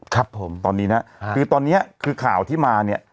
ครับผมตอนนี้นะคือตอนนี้คือข่าวที่มาเนี่ย